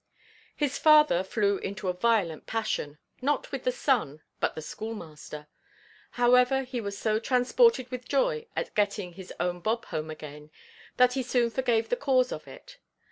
His father flew into a violent passion, not with the son, but the schoolmaster: however, he was so transported with joy at getting his own Bob home again, that he soon forgave the cause of it.